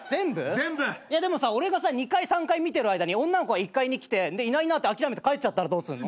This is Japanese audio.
いやでもさ俺が２階３階見てる間に女の子が１階に来ていないなって諦めて帰っちゃったらどうすんの？